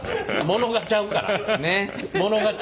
モノがちゃうから。